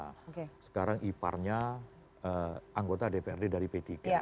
mantan ketua p tiga sekarang iparnya anggota dprd dari p tiga